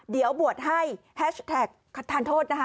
เดี๋ยวบวชให้แต่ครรภานโทษนะคะ